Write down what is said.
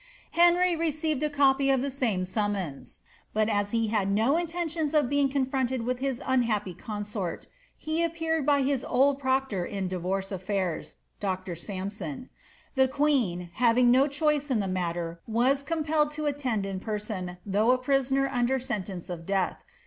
Henry reeeived a copy of the same summons \ but as he had no intention of being con fronted with his unhaj^y consort, he appeared by his old proctor in divorce a^rs. Dr. Sampson. The queen, having no chcnoe in the matter, was compelled to attend in person, though a prisoner under sen tence of death.